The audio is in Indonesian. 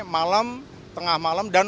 malam tengah malam dan